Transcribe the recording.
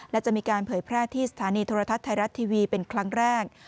และจะมีการเผยแพร่ที่สถานีโทรทัศน์ไทยรัฐทีวีเป็นครั้งแรก